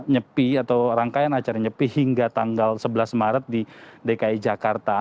nyepi atau rangkaian acara nyepi hingga tanggal sebelas maret di dki jakarta